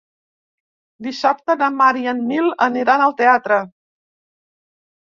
Dissabte na Mar i en Nil aniran al teatre.